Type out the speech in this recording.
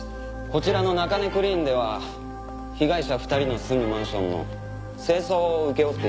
こちらの中根クリーンでは被害者２人の住むマンションの清掃を請け負っていましたよね。